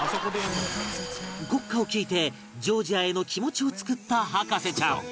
国歌を聴いてジョージアへの気持ちを作った博士ちゃん